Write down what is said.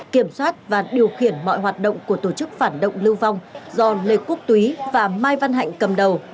kiểm soát và điều khiển mọi hoạt động của tổ chức phản động lưu vong do lê quốc túy và mai văn hạnh cầm đầu